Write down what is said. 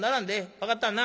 分かっとんな？